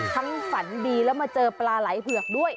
ฝันดีแล้วมาเจอปลาไหลเผือกด้วย